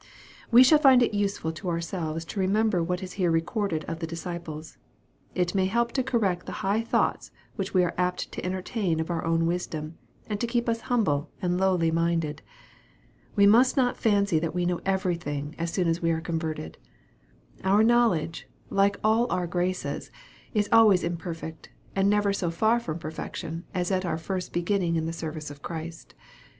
We shall find it useful to ourselves to remember what is here recorded of the disciples. It may help to correct the high thoughts which we are apt to entertain of our own wisdom, and to keep us humble and lowly minded. We must not fancy that we know everything as soon && 160 EXPOSITORY THOUGHTS. we are converted. Our knowledge, like all OUT graces, is always imperfect, and never so far from perfection at at our first beginning in the service of Christ.